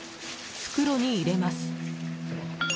袋に入れます。